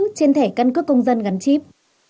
trên thẻ căn cước công dân gắn chít